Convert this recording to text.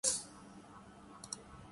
آپ کو motorcycle کب ملی؟